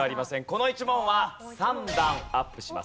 この１問は３段アップします。